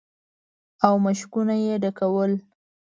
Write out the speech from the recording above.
او مشکونه يې ډکول.